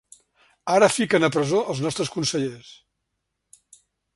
Ara fiquen a presó els nostres consellers.